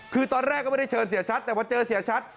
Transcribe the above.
คือตอนแรกก็ไม่ได้เชิญเสียชัดแต่ว่าเจอเสียชัด